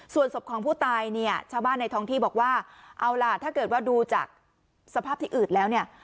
ส่วนศพของผู้ตายเนี่ยชาวบ้านในท้องที่บอกว่าเอาล่ะถ้าเกิดว่าดูจากสภาพที่อืดแล้วเนี่ย